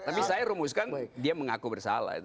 tapi saya rumuskan dia mengaku bersalah